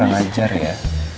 gak mungkin kurang ajar ya